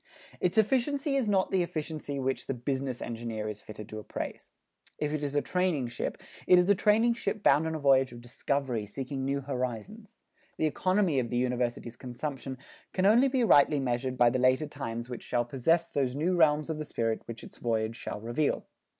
Its efficiency is not the efficiency which the business engineer is fitted to appraise. If it is a training ship, it is a training ship bound on a voyage of discovery, seeking new horizons. The economy of the University's consumption can only be rightly measured by the later times which shall possess those new realms of the spirit which its voyage shall reveal.